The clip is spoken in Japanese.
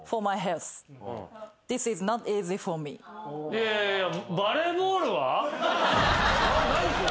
いやいやいや。